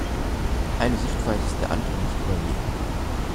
Eine Sichtweise ist der anderen nicht überlegen.